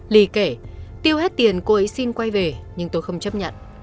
lì kể tiêu hết tiền cô ấy xin quay về nhưng tôi không chấp nhận